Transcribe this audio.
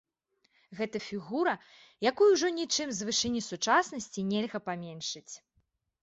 Гэта фігура, якую ўжо нічым з вышыні сучаснасці нельга паменшыць.